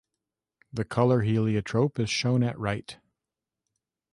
The color heliotrope is shown at right.